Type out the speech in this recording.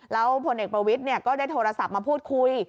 แล้วพลเอกประวิทย์ก็ได้โทรศัพท์มาพูดคุย